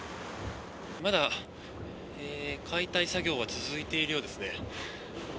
まだ解体作業は続いているようですね。